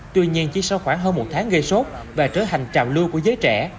tuy nhiên chỉ sau khoảng hơn một tháng gây sốt và trở thành trào lưu của giới trẻ